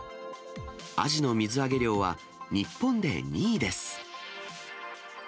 アジの水揚げ量は、日本で２位です。